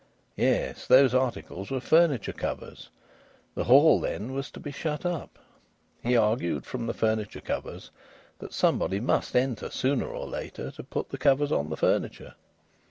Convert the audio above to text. Yes, these articles were furniture covers. The Hall, then, was to be shut up. He argued from the furniture covers that somebody must enter sooner or later to put the covers on the furniture.